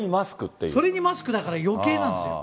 それにマスクだから、よけいなんですよ。